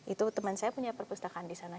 itu teman saya punya perpustakaan di sana